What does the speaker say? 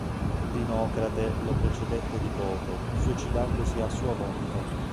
Dinocrate lo precedette di poco, suicidandosi a sua volta.